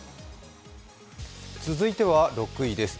続いては６位です。